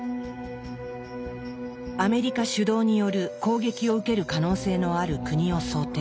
アメリカ主導による攻撃を受ける可能性のある国を想定。